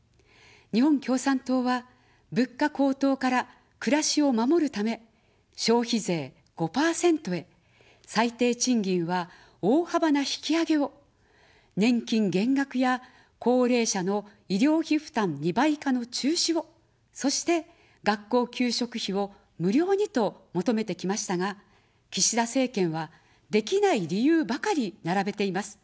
日本共産党は、物価高騰から暮らしを守るため、消費税５％へ、最低賃金は大幅な引き上げを、年金減額や高齢者の医療費負担２倍化の中止を、そして学校給食費を無料にと求めてきましたが、岸田政権はできない理由ばかり並べています。